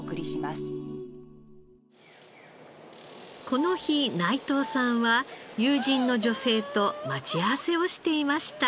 この日内藤さんは友人の女性と待ち合わせをしていました。